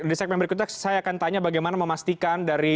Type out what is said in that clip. di segmen berikutnya saya akan tanya bagaimana memastikan dari